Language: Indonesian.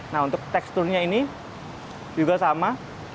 nah untuk teksturnya ini juga sama